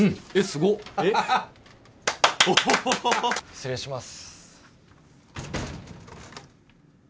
失礼します。